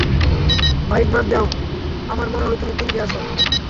Mic বাদ দেও, আমার মনে হয় তুমি পিনিকে আছো।